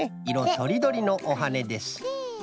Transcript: とりどりのおはねです。